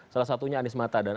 salah satunya anies mata